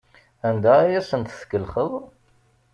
Anda ay asent-tkellxeḍ?